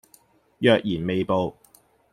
若然未報